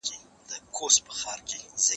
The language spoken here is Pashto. ممکن د حسد لامله هغوی دسيسه جوړه کړي.